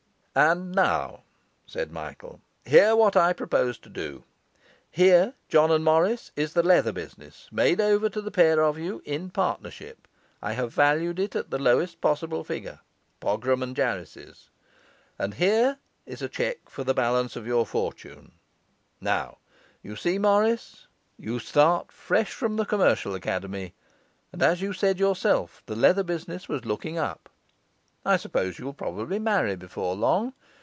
'And now,' said Michael, 'hear what I propose to do. Here, John and Morris, is the leather business made over to the pair of you in partnership. I have valued it at the lowest possible figure, Pogram and Jarris's. And here is a cheque for the balance of your fortune. Now, you see, Morris, you start fresh from the commercial academy; and, as you said yourself the leather business was looking up, I suppose you'll probably marry before long.